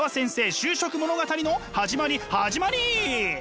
就職物語の始まり始まり！